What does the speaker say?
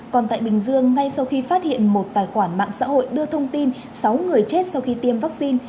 còn tại bình dương ngay sau khi phát hiện một tài khoản mạng xã hội đưa thông tin sáu người chết sau khi tiêm vaccine